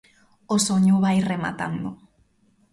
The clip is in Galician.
O soño vai rematando.